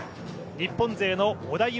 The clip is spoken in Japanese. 日本勢の織田夢